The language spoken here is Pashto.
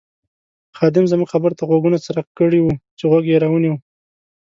خادم زموږ خبرو ته غوږونه څرک کړي ول چې غوږ یې را ونیو.